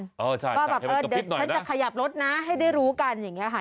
ก็จะขยับรถนะให้ได้รู้กันอย่างงี้ค่ะ